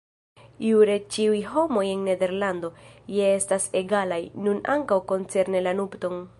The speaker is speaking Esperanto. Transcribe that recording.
Jure ĉiuj homoj en Nederlando ja estas egalaj, nun ankaŭ koncerne la nupton.